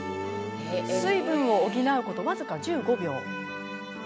水分を補うこと僅か１５秒。